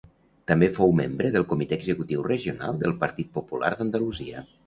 També fou membre del Comité Executiu Regional del Partit Popular d'Andalusia.